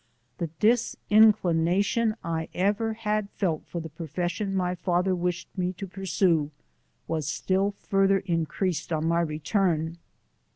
The disinclination I ever had fell for the profession my father wished me to pursue, was still further in creased on my retuin.